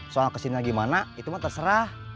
soal kesini lagi mana itu mah terserah